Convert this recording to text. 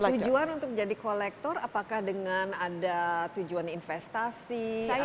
tujuan untuk menjadi collector apakah dengan ada tujuan investasi atau hanya